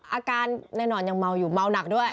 อาการแน่นอนยังเมาอยู่เมาหนักด้วย